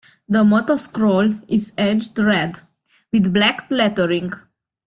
The motto scroll is edged red, with black lettering.